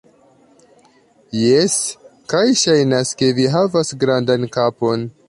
Jes, kaj ŝajnas ke vi havas grandan kapon